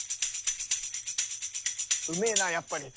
うめえなやっぱり。